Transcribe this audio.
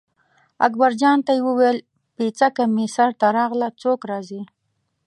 اکبرجان ته یې وویل پیڅکه مې سر ته راغله څوک راځي.